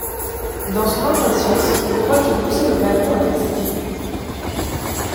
Dans son impatience, je crois qu’il poussait le wagon avec ses pieds.